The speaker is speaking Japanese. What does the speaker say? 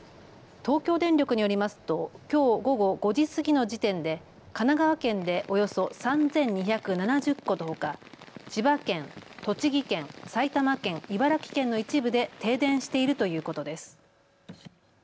東京電力によりますときょう午後５時過ぎの時点で神奈川県でおよそ３２７０戸のほか千葉県、栃木県、埼玉県、茨城県の一部で停電しているということです。